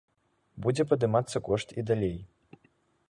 Будзе падымацца кошт і далей.